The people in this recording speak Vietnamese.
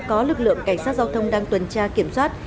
có lực lượng cảnh sát giao thông đang tuần tra kiểm soát